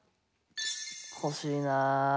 欲しいな。